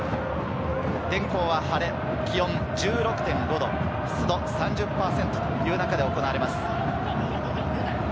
天候は晴れ、気温１６．５度、湿度３０％という中で行われます。